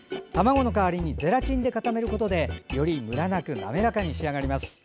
卵の代わりにゼラチンで固めることでよりムラなく滑らかに仕上がります。